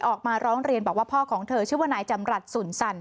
ออกมาร้องเรียนบอกว่าพ่อของเธอชื่อว่านายจำรัฐสุนสั่น